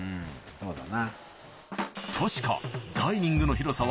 そうだよ。